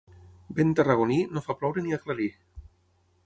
Vent tarragoní, no fa ploure ni aclarir.